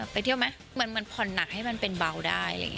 ไปเที่ยวไหมเหมือนผ่อนหนักให้มันเป็นเบาได้อะไรอย่างนี้